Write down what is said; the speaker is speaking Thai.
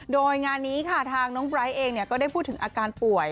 โดยงานนี้ค่ะทางน้องไบร์ทเองก็ได้พูดถึงอาการป่วย